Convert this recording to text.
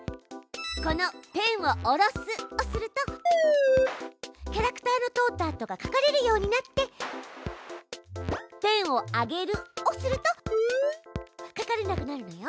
この「ペンを下ろす」をするとキャラクターの通ったあとが描かれるようになって「ペンを上げる」をすると描かれなくなるのよ。